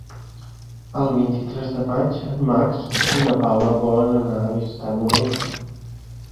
El vint-i-tres de maig en Max i na Paula volen anar a visitar mon oncle.